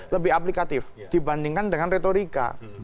lebih aplikatif dibandingkan dengan retorika